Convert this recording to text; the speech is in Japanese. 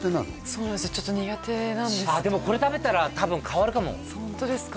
そうなんです苦手なんですでもこれ食べたら多分変わるかもホントですか？